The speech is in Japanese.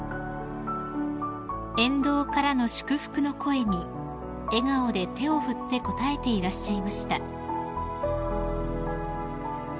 ［沿道からの祝福の声に笑顔で手を振って応えていらっしゃいました］